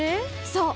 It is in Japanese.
そう！